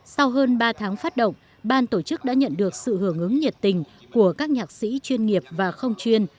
sau hơn ba tháng phát động ban tổ chức đã nhận được sự hưởng ứng nhiệt tình của các nhạc sĩ chuyên nghiệp và không chuyên